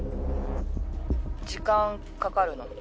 時間かかるの？